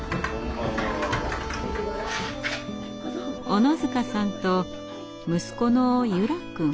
小野塚さんと息子の柚楽くん。